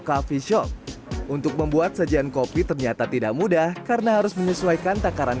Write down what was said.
coffee shop untuk membuat sajian kopi ternyata tidak mudah karena harus menyesuaikan takaran